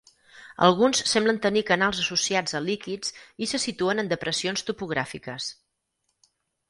Alguns semblen tenir canals associats a líquids i se situen en depressions topogràfiques.